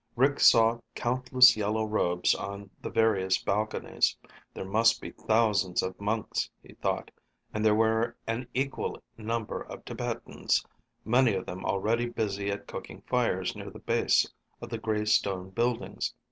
Rick saw countless yellow robes on the various balconies. There must be thousands of monks, he thought. And there were an equal number of Tibetans, many of them already busy at cooking fires near the base of the gray stone buildings.